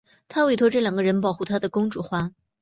她委托这两个人保护她的公主花。